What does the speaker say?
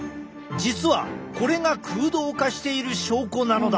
実はこれが空洞化している証拠なのだ！